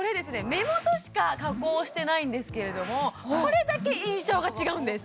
目元しか加工してないんですけれどもこれだけ印象が違うんです